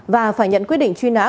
và phải nhận quyết định truy nã